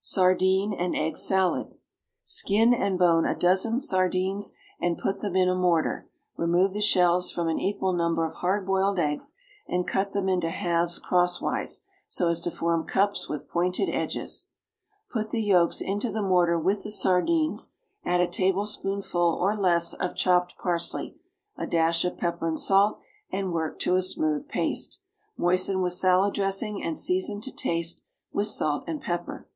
=Sardine and Egg Salad.= Skin and bone a dozen sardines and put them in a mortar; remove the shells from an equal number of hard boiled eggs and cut them into halves crosswise, so as to form cups with pointed edges; put the yolks into the mortar with the sardines, add a tablespoonful, or less, of chopped parsley, a dash of pepper and salt, and work to a smooth paste; moisten with salad dressing and season to taste with salt and pepper.